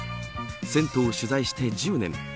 銭湯を取材して１０年。